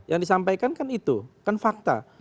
yang disampaikan kan itu kan fakta